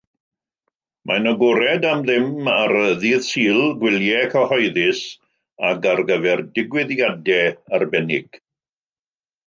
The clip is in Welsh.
Mae'n agored am ddim ar ddydd Sul, Gwyliau Cyhoeddus ac ar gyfer digwyddiadau arbennig.